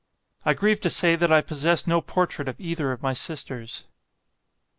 "I grieve to say that I possess no portrait of either of my sisters."